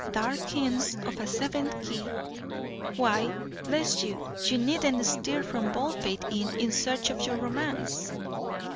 Dark hints of a seventh key. Why, bless you, you needn't stir from Baldpate Inn in search of your romance."